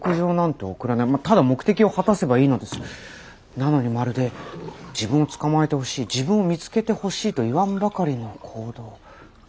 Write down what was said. なのにまるで自分を捕まえてほしい自分を見つけてほしいといわんばかりの行動。